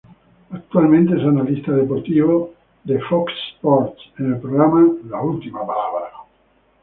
Actualmente es analista deportivo de Fox Sports en el programa "La Última Palabra".